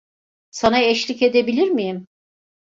Sana eşlik edebilir miyim?